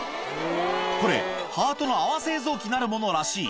これ、ハートの泡製造機なるものらしい。